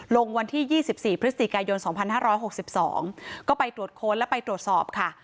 วันที่๒๔พฤศจิกายน๒๕๖๒ก็ไปตรวจค้นและไปตรวจสอบค่ะ